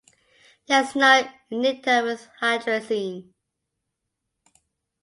There is no igniter with hydrazine.